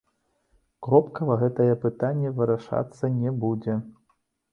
Кропкава гэтае пытанне вырашацца не будзе.